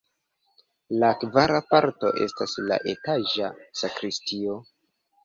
La kvara parto estas la etaĝa sakristio.